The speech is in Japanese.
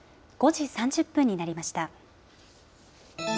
５時３０分になりました。